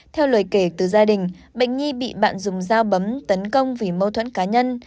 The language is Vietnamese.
theo lời kể từ gia đình bệnh nhi bị bạn dùng dao bấm tấn công vì mâu thuẫn cá nhân